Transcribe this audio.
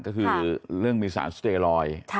ก็คือเรื่องมีสารสเตรอย